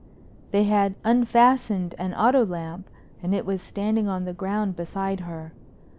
They had unfastened an auto lamp and it was standing on the ground beside her.